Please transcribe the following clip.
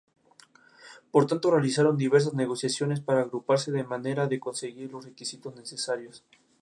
Por tanto, realizaron diversas negociaciones para agruparse de manera de conseguir los requisitos necesarios.